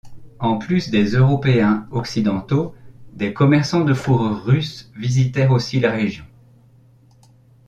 En plus des Européens occidentaux, des commerçants de fourrures russes visitèrent aussi la région.